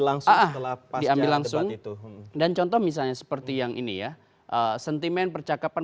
langsung diambil langsung dan contoh misalnya seperti yang ini ya sentimen percakapan